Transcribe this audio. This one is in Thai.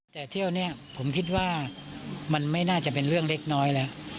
แต่เที่ยวนี้ผมคิดว่ามันไม่น่าจะเป็นเรื่องเล็กน้อยแล้ว